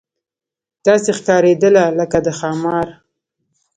داسې ښکارېدله لکه د ښامار.